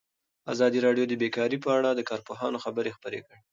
ازادي راډیو د بیکاري په اړه د کارپوهانو خبرې خپرې کړي.